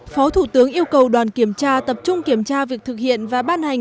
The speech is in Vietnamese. phó thủ tướng yêu cầu đoàn kiểm tra tập trung kiểm tra việc thực hiện và ban hành